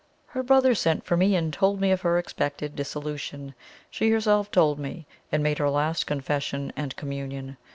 "Her brother sent for me, and told me of her expected dissolution. She herself told me, and made her last confession and communion.